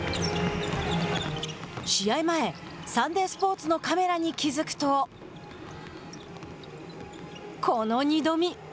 試合前、サンデースポーツのカメラに気付くとこの二度見。